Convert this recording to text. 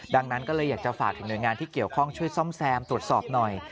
ดังนั้นก็เลยอยากจะฝากถึงหน่วยงานที่เกี่ยวข้องช่วยซ่อมแซมตรวจสอบหน่อย